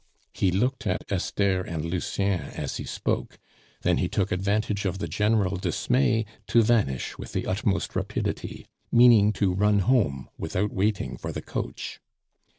He looked at Esther and Lucien as he spoke, then he took advantage of the general dismay to vanish with the utmost rapidity, meaning to run home without waiting for the coach.